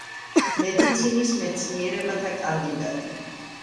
მედიცინის მეცნიერებათა კანდიდატი.